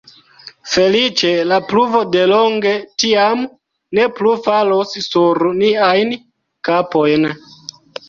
Feliĉe la pluvo de longe, tiam, ne plu falos sur niajn kapojn.